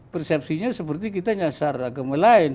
persepsinya seperti kita nyasar agama lain